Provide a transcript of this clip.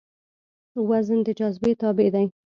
وزن د جاذبې تابع دی.